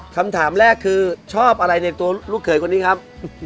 คำถามแรกคือชอบอะไรในตัวลูกเขยคนนี้ครับ